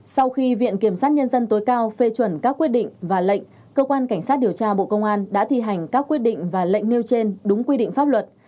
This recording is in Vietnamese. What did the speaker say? sau khi viện kiểm sát nhân dân tối cao phê chuẩn các quyết định và lệnh cơ quan cảnh sát điều tra bộ công an đã thi hành các quyết định và lệnh nêu trên đúng quy định pháp luật